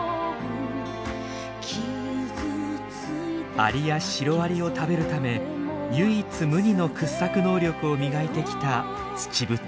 アリやシロアリを食べるため唯一無二の掘削能力を磨いてきたツチブタ。